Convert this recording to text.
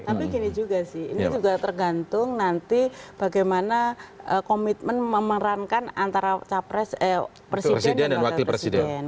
tapi gini juga sih ini juga tergantung nanti bagaimana komitmen memerankan antara presiden dan wakil presiden